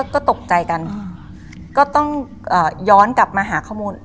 ก็ตกใจกันก็ต้องย้อนกลับมาหาข้อมูล